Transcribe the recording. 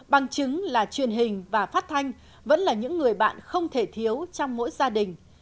bằng chứng là truyền hình và phát thanh vẫn là những người bạn không thể thiếu trong mỗi gia đình